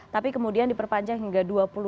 tapi kemudian diperpanjang hingga dua puluh